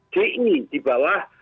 ji di bawah